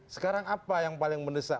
sekarang apa yang paling mendesak